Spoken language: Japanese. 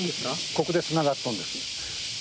ここでつながっとんです。